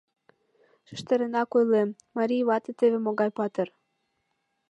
Шижтаренак ойлем: марий вате теве могай патыр!